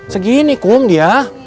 segini kum dia